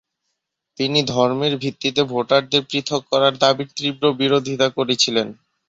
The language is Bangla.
তিনি ধর্মের ভিত্তিতে ভোটারদের পৃথক করার দাবির তীব্র বিরোধিতা করেছিলেন।